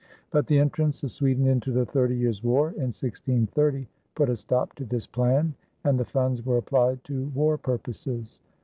But the entrance of Sweden into the Thirty Years' War in 1630 put a stop to this plan, and the funds were applied to war purposes.